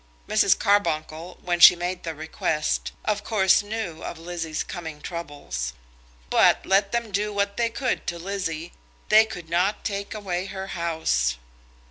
Mrs. Carbuncle, when she made the request, of course knew of Lizzie's coming troubles; but let them do what they could to Lizzie, they could not take away her house.